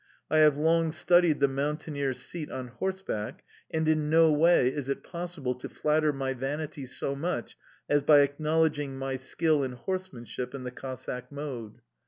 I have long studied the mountaineer seat on horseback, and in no way is it possible to flatter my vanity so much as by acknowledging my skill in horsemanship in the Cossack mode.